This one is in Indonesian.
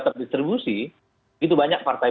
terdistribusi itu banyak partai